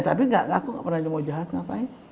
tapi aku ga pernah jahat ngapain